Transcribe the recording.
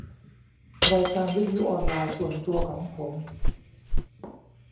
รายการวิทยุออนไลน์ส่วนตัวของผม